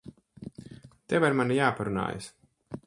Tev ar mani jāaprunājas.